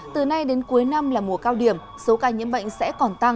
từ nay đến cuối năm là mùa cao điểm số ca nhiễm bệnh sẽ còn tăng